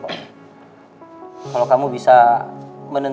aku kok tahu siapa tuhan